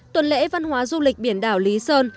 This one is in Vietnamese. tuần lễ văn hóa du lịch biển đảo lý sơn